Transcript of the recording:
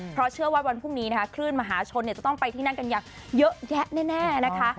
เพราะเชื่อว่าวันพรุ่งนี้นะคะคลื่นมหาชนจะต้องไปที่นั่นกันอย่างเยอะแยะแน่นะคะ